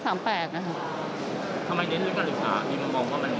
ทำไมเน้นที่การศึกษาที่มันบอกว่าแม่งงี้